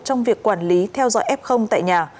trong việc quản lý theo dõi f tại nhà